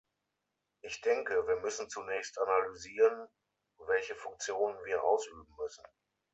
Ich denke, wir müssen zunächst analysieren, welche Funktionen wir ausüben müssen.